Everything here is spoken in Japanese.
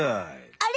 あれ？